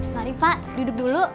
mari pak duduk dulu